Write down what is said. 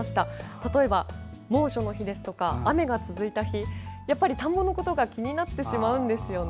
例えば、猛暑の日ですとか雨が続いた日、やっぱり田んぼのことが気になってしまうんですよね。